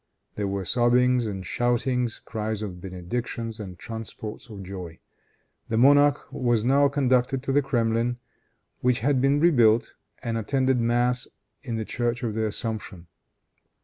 There were sobbings and shoutings, cries of benedictions and transports of joy. The monarch was now conducted to the Kremlin, which had been rebuilt, and attended mass in the church of the Assumption.